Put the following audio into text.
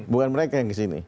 bukan mereka yang kesini